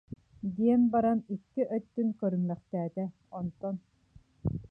диэн баран икки өттүн көрүммэхтээтэ, онтон: